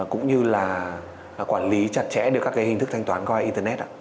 cũng như là quản lý chặt chẽ được các cái hình thức thanh toán qua internet ạ